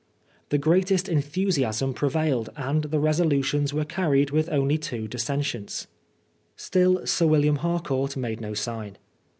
The greatest enthusiasm prevailed, and the resolutions were carried with only two dissen tients. Still Sir William Harcourt made no sign.